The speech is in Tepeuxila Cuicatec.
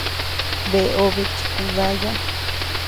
Bea obe chikudaya.